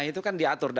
itu kan diatur